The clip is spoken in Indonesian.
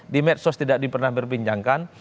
di medsos tidak pernah berbincangkan